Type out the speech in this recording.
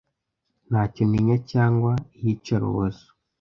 ntacyo ntinya cyangwa iyicarubozo